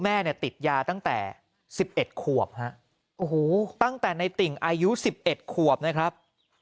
แม่เนี่ยติดยาตั้งแต่๑๑ขวบฮะโอ้โหตั้งแต่ในติ่งอายุ๑๑ขวบนะครับ